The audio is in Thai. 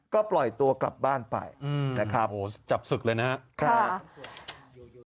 ก็ปล่อยตัวกลับบ้านไปนะครับจับศึกเลยนะครับ